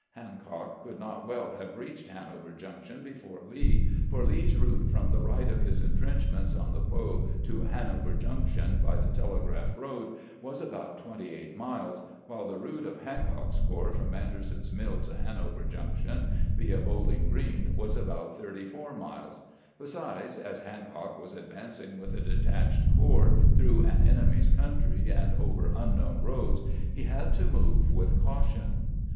Hancock could not well have reached Hanover Junction before Lee, for Lee's route from the right of his intrenchments on the Po to Hanover Junction by the Telegraph road was about twenty eight miles, while the route of Hancock's corps from Anderson's MiU to Hanover Junction via Bowling Green was about thirty four miles ; besides, as Hancock was advancing with a detached corps through an enemy's country and over unknown roads, he had to move with caution.